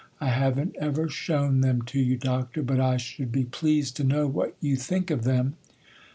I haven't ever shown them to you, Doctor; but I should be pleased to know what you think of them.